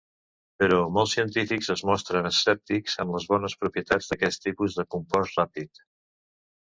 Però molts científics es mostren escèptics amb les bones propietats d'aquest tipus de compost ràpid.